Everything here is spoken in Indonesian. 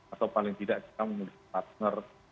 atau paling tidak kita memiliki partner